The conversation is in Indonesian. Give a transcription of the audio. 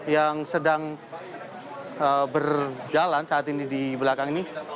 yang sedang berjalan saat ini di belakang ini